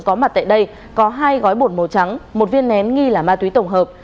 có mặt tại đây có hai gói bột màu trắng một viên nén nghi là ma túy tổng hợp